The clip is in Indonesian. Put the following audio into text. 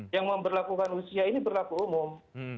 yang memperlakukan usia ini berlaku umum